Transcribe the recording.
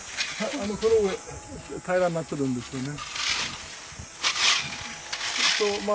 この上平らになってるんですよね。